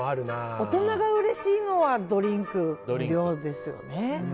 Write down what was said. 大人がうれしいのはドリンク無料ですよね。